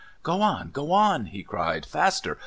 Go on! Go on!" he cried. "Faster!